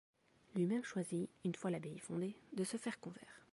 Lui-même choisit, une fois l'abbaye fondée, de se faire convers.